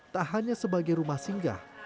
tak hanya sebagai rumah singgah